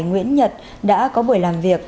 nguyễn nhật đã có buổi làm việc